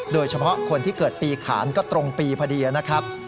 โดยเฉพาะคนที่เกิดปีขานก็ตรงปีพอดีนะครับ